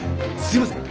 すいません。